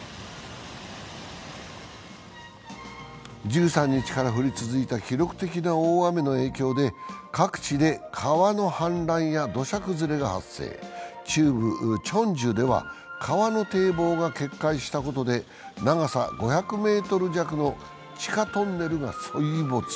１３日から降り続いた記録的な大雨の影響で、各地で川の反乱や土砂崩れが発生中部チョンジュでは川の堤防が決壊したことで長さ５００ｍ弱の地下トンネルが水没。